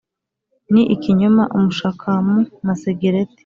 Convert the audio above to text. Ni ikinyoma umushakamu masegereti